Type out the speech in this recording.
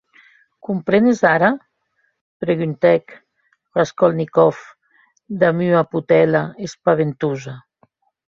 Comprenes ara?, preguntèc Raskolnikov damb ua potèla espaventosa.